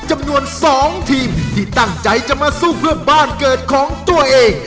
จำนวน๒ทีมที่ตั้งใจจะมาสู้เพื่อบ้านเกิดของตัวเอง